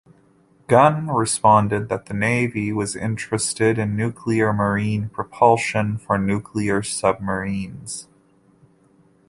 Gunn responded that the navy was interested in nuclear marine propulsion for nuclear submarines.